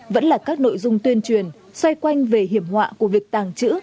vẫn là các nội dung tuyên truyền xoay quanh về hiểm họa của việc tàng trữ